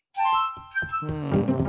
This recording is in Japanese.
うん。